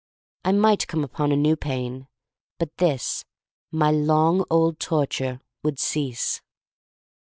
I might come upon a new pain, but this, my long old torture, would cease.